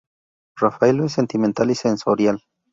Raffaello es sentimental y sensorial.